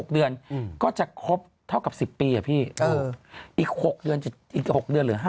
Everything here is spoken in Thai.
๖เดือนก็จะครบเท่ากับ๑๐ปีอีก๖เดือน๖เดือน๕